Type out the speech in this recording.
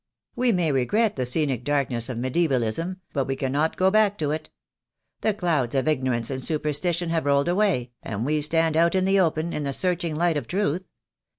We may regret the scenic darkness of medievalism, but we can not go back to it. The clouds of ignorance and super stition have rolled away, and we stand out in the open, in the searching light of truth.